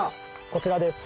こちらです。